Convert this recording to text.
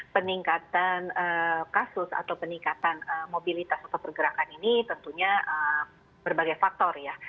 peningkatan kasus atau peningkatan mobilitas atau pergerakan ini tentunya berbagai faktor ya